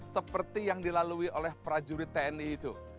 seperti yang dilalui oleh prajurit tni itu